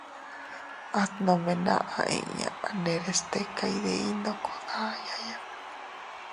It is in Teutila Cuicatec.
At nome naʼa inña anderes tika iydiy ndoko dayaya.